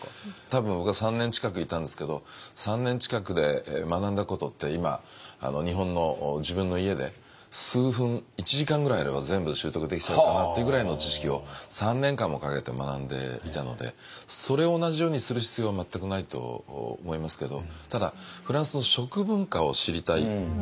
多分僕は３年近くいたんですけど３年近くで学んだことって今日本の自分の家で数分１時間ぐらいあれば全部習得できちゃうかなっていうぐらいの知識を３年間もかけて学んでいたのでそれを同じようにする必要は全くないと思いますけどただフランスの食文化を知りたい。